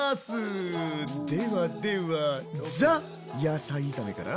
ではではザ・野菜炒めから。